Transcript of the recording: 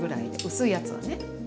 薄いやつはね。